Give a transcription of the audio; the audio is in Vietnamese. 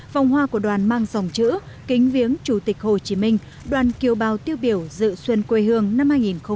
vòng hoa của đoàn mang dòng chữ kính viếng chủ tịch hồ chí minh đoàn kiều bào tiêu biểu dự xuân quê hương năm hai nghìn hai mươi